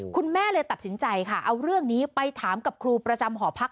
คุณแม่เลยตัดสินใจค่ะเอาเรื่องนี้ไปถามกับครูประจำหอพัก